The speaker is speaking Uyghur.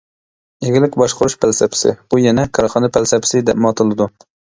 ئىگىلىك باشقۇرۇش پەلسەپىسى: بۇ يەنە كارخانا پەلسەپىسى دەپمۇ ئاتىلىدۇ.